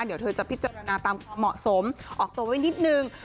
เดี๋ยวเธอจะพิจารณาตามเหมาะสมออกตัวไว้นิดนึง